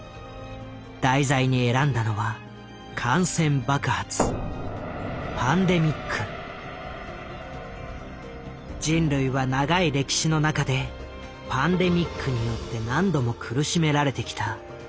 題材に選んだのは感染爆発人類は長い歴史の中でパンデミックによって何度も苦しめられてきた。